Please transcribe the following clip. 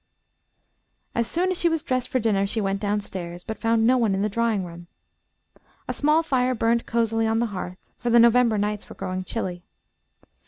As soon as she was dressed for dinner she went down stairs, but found no one in the drawing room. A small fire burned cozily on the hearth, for the November nights were growing chilly.